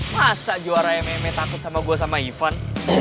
masa juara mma takut sama gue sama ivan